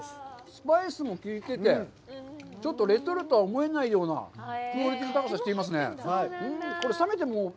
スパイスもきいてて、ちょっとレトルトとは思えないような、クオリティーの高さしてますね。